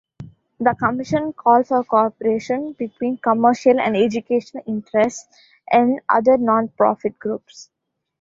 The Commission called for cooperation between commercial and educational interests and other non-profit groups.